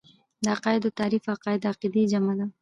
د عقايدو تعريف عقايد د عقيدې جمع ده .